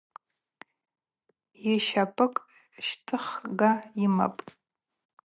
Йщапӏыкӏ щтӏыхга йымапӏ.